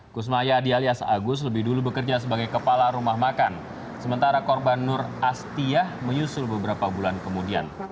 kusmayadi alias agus lebih dulu bekerja sebagai kepala rumah makan sementara korban nur astiyah menyusul beberapa bulan kemudian